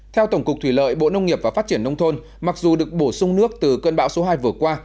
theo tổng cục thủy lợi bộ nông nghiệp và phát triển nông thôn mặc dù được bổ sung nước từ cơn bão số hai vừa qua